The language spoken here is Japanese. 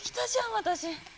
私。